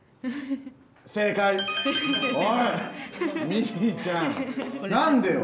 ミーちゃん何でよ？